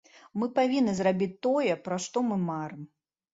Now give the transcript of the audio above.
Мы павінны зрабіць тое, пра што мы марым.